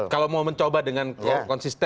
kalau mau mencoba dengan konsisten